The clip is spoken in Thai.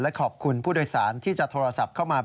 ขอบคุณผู้โดยสารที่จะโทรศัพท์เข้ามา